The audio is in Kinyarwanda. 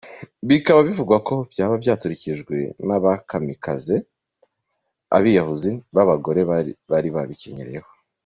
Bikaba bivugwa ko byaba byaturikijwe nabakamikaze, Abiyahuzi, babagore bari babikenyereyeho.